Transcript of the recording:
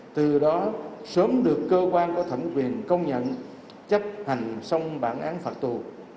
từ đó sớm được cơ quan có thẩm quyền công nhận chấp hành xong bản án phạt tù